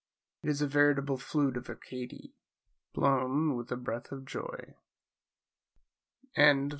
It is a veritable Flute of Arcady blown with a breath of joy. Ella F.